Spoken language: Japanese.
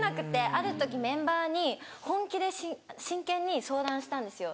ある時メンバーに本気で真剣に相談したんですよ。